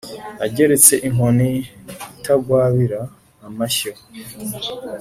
ageretse inkoni itagwabira amashyo